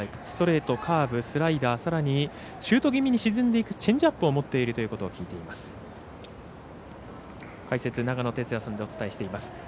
ストレート、カーブスライダー、さらにシュート気味に沈んでいくチェンジアップを持っているということを聞いています。